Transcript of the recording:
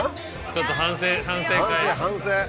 ちょっと反省反省会。